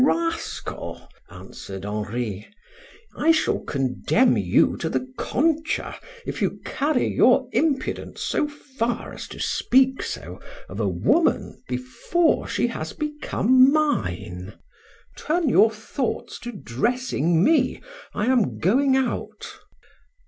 "Rascal!" answered Henri, "I shall condemn you to the Concha, if you carry your impudence so far as to speak so of a woman before she has become mine.... Turn your thoughts to dressing me, I am going out."